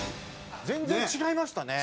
全然違いましたね。